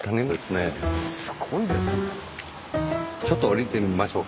ちょっと下りてみましょう。